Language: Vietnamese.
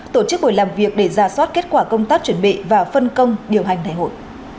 tổ chức buổi làm việc để ra soát kết quả công tác chuẩn bị và phân công điều hành đại hội